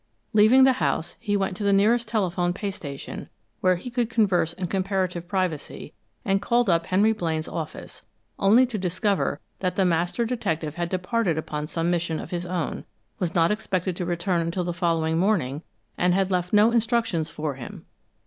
Leaving the house, he went to the nearest telephone pay station, where he could converse in comparative privacy, and called up Henry Blaine's office, only to discover that the master detective had departed upon some mission of his own, was not expected to return until the following morning, and had left no instructions for him.